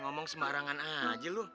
ngomong sembarangan aja lo